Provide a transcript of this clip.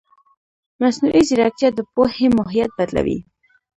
مصنوعي ځیرکتیا د پوهې ماهیت بدلوي.